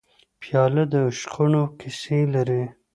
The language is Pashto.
پیاله د عشقونو کیسې لري.